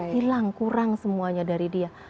hilang kurang semuanya dari dia